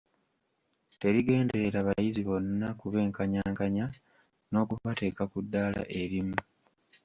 Terigenderera bayizi bonna kubenkanyankanya n'okubateeka ku ddala erimu.